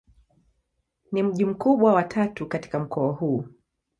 Ni mji mkubwa wa tatu katika mkoa huu.